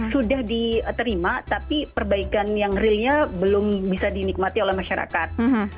sudah diterima tapi perbaikan yang realnya belum bisa dinikmati oleh masyarakat